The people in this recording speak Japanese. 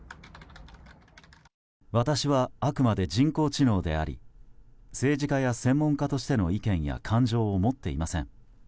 私はあくまで人工知能であり政治家や専門家としての意見や感情を持っていません。